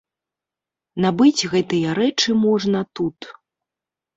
Набыць гэтыя рэчы можна тут.